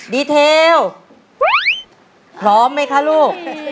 ดีเทลพร้อมไหมคะลูก